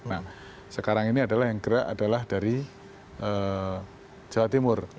nah sekarang ini adalah yang gerak adalah dari jawa timur